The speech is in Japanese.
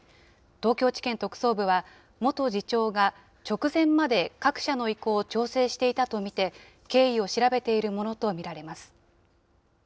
東京地検特捜部は、元次長が直前まで各社の意向を調整していたと見て、経緯を調べているものと見られます。